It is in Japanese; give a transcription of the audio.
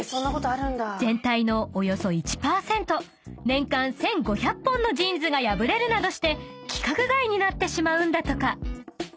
［全体のおよそ１％年間１，５００本のジーンズが破れるなどして規格外になってしまうんだとか］